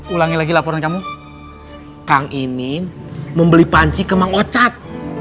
ulangi lagi laporan kamu kang inin membeli panci ke mang ocat